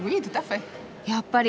やっぱり。